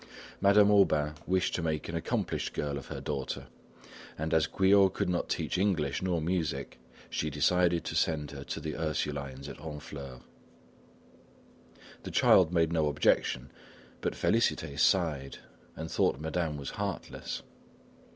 Madame Aubain wished to make an accomplished girl of her daughter; and as Guyot could not teach English nor music, she decided to send her to the Ursulines at Honfleur. The child made no objection, but Félicité sighed and thought Madame was heartless.